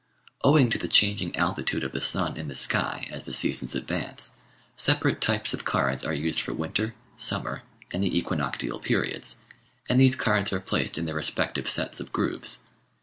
Owing to the changing altitude of the sun in the sky as the seasons advance, separate types of cards are used for winter, summer, and the equinoctial periods, and these cards are placed in their respective sets of grooves.